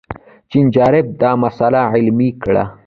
جین شارپ دا مسئله علمي کړه.